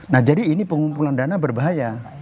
nah jadi ini pengumpulan dana berbahaya